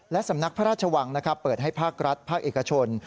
และสำนักพระราชวังเปิดให้ภาครัฐภาคเอกชน